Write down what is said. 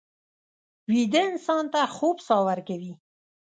ویده انسان ته خوب ساه ورکوي